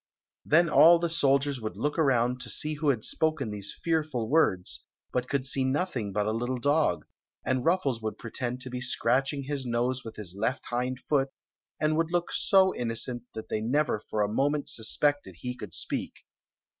Then all the soldiers would look around to see who had spoken these fearful words, but could see nothing but a little dog; and Ruffles would pretend to be scratching his nose with his left hind foot, and would Story of the Magic Cloak 175 look so innocent that they never for a moment sus pected he could speak.